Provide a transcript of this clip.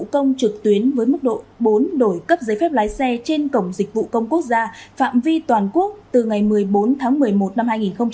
công trực tuyến với mức độ bốn đổi cấp giấy phép lái xe trên cổng dịch vụ công quốc gia phạm vi toàn quốc từ ngày một mươi bốn tháng một mươi một năm hai nghìn hai mươi